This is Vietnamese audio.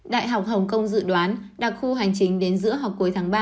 đại học hồng kông dự đoán đặc khu hành trình đến giữa học cuối tháng ba